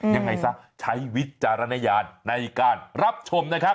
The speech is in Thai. ยังไงซะใช้วิจารณญาณในการรับชมนะครับ